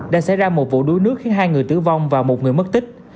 đã xảy ra một vụ đuối nước khiến hai người tử vong và một người mất tích